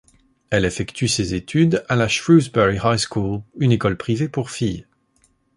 Elle effectue ses études à la Shrewsbury High School, une école privée pour filles.